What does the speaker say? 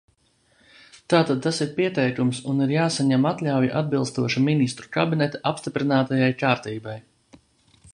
Tātad tas ir pieteikums, un ir jāsaņem atļauja atbilstoši Ministru kabineta apstiprinātajai kārtībai.